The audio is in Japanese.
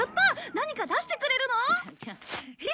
何か出してくれるの？